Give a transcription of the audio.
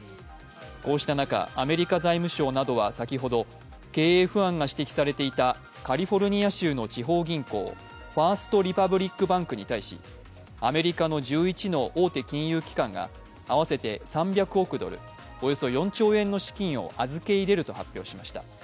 こうした中、アメリカ財務省などは先ほど、経営不安が指摘されていたカリフォルニア州の地方銀行・ファーストリパブリックバンクに対しアメリカの１１の大手金融機関が合わせて３００億ドル、およそ４兆円の資金を預け入れると発表しました。